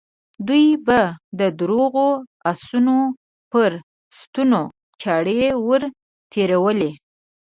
دوی به د روغو آسونو پر ستونو چاړې ور تېرولې.